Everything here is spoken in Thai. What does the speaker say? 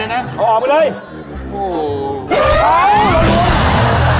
อาหารการกิน